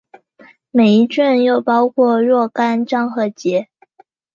每一卷又包括若干章和节。